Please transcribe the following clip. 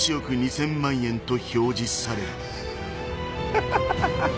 ハハハハハ。